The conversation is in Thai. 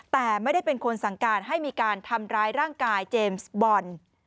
แต่ไม่ได้เป็นคนสั่งการให้มีการทำร้ายร่างกายเจมส์บอล